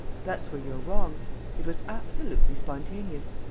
That's where you're wrong! It was absolutely spontaneous!